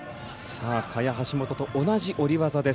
萱、橋本と同じ下り技です。